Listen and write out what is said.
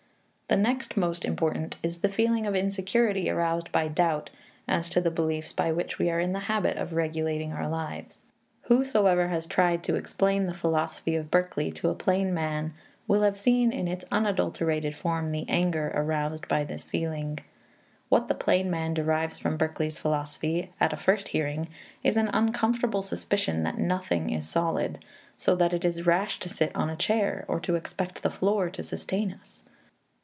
The next most important is the feeling of insecurity aroused by doubt as to the beliefs by which we are in the habit of regulating our lives. Whoever has tried to explain the philosophy of Berkeley to a plain man will have seen in its unadulterated form the anger aroused by this feeling. What the plain man derives from Berkeley's philosophy at a first hearing is an uncomfortable suspicion that nothing is solid, so that it is rash to sit on a chair or to expect the floor to sustain us.